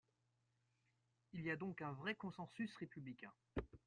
Il y a donc un vrai consensus républicain.